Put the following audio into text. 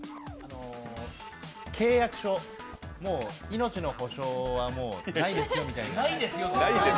契約書、もう命の保証はないですよみたいな。